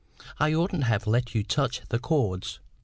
I oughtn't to have let you touch the cords."